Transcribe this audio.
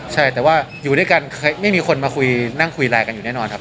ใช่แต่ว่าอยู่ด้วยกันไม่มีคนมาคุยนั่งคุยไลน์กันอยู่แน่นอนครับ